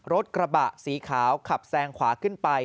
รถกระบะสีขาวขับแซงขวาขึ้นไป